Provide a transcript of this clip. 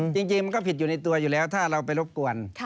จริงมันก็ผิดอยู่ในตัวอยู่แล้วถ้าเราไปรบกวน